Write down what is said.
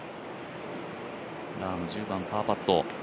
ラーム、１０番パーパット。